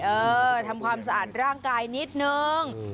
เออทำความสะอาดร่างกายนิดนึง